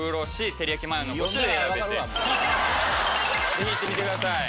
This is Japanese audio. ぜひ行ってみて下さい。